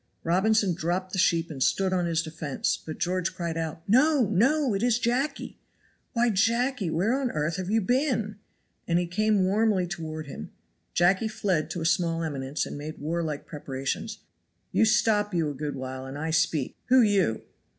Robinson dropped the sheep and stood on his defense, but George cried out, "No! no! it is Jacky! Why, Jacky, where on earth have you been?" And he came warmly toward him. Jacky fled to a small eminence and made warlike preparations. "You stop you a good while and I speak. Who you?"